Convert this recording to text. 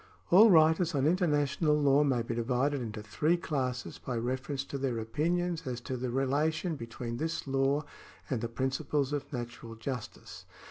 All writers on international law may be divided into three classes by reference to their opinions as to the relation between this law and the principles of natural justice.